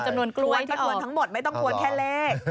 จำนวนกล้วยได้ออกตรวจจำนวนทั้งหมดไม่ต้องตรวจแค่เลข